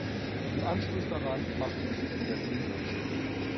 Im Anschluss daran machte er sich in Berlin selbständig.